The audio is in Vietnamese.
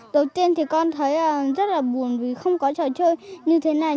đầu tiên thì con thấy rất là buồn vì không có trò chơi như thế này